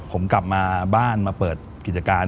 ผมกลับมาบ้านมาเปิดกิจการ